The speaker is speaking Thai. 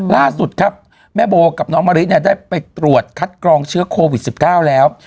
ล่าสุดครับแม่โบกับน้องมะริเนี่ยได้ไปตรวจคัดกรองเชื้อโควิด๑๙แล้ว